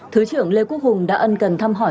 thứ trưởng lê quốc hùng đã ân cần thăm hỏi